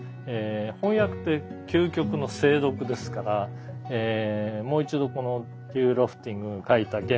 翻訳って究極の精読ですからもう一度このヒュー・ロフティングが書いた原文をですね